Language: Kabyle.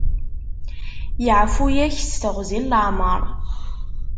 Yeɛfu-yak s teɣwzi n leɛmeṛ.